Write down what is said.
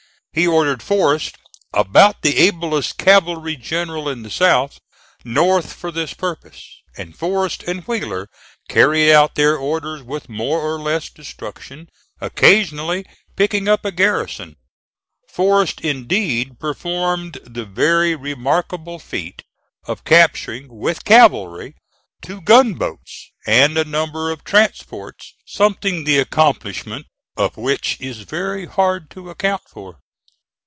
He ordered Forrest (about the ablest cavalry general in the South) north for this purpose; and Forrest and Wheeler carried out their orders with more or less destruction, occasionally picking up a garrison. Forrest indeed performed the very remarkable feat of capturing, with cavalry, two gunboats and a number of transports, something the accomplishment of which is very hard to account for.